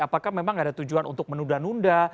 apakah memang ada tujuan untuk menunda nunda